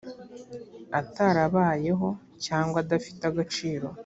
atarabayeho cyangwa adafite agaciro